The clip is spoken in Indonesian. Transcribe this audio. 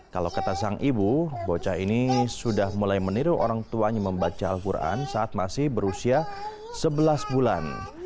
kalau kata sang ibu bocah ini sudah mulai meniru orang tuanya membaca al quran saat masih berusia sebelas bulan